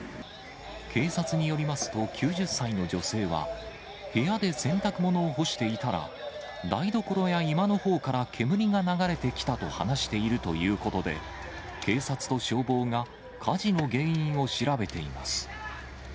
警察によりますと、９０歳の女性は、部屋で洗濯物を干していたら、台所や居間のほうから煙が流れてきたと話しているということで、警察と消防が火事の原因を調べています。